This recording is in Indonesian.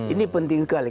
ini penting sekali